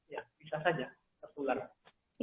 ya bisa saja ketularan